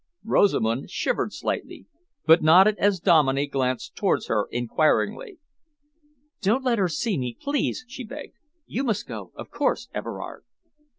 Rosamund shivered slightly, but nodded as Dominey glanced towards her enquiringly. "Don't let me see her, please," she begged. "You must go, of course. Everard!"